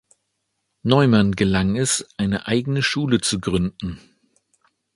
Neumann gelang es, eine eigene Schule zu gründen.